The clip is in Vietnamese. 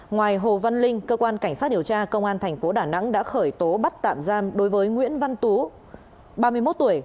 ngoài hồ văn linh cơ quan cảnh sát điều tra công an thành phố đà nẵng đã khởi tố bắt tạm giam đối với nguyễn văn tú ba mươi một tuổi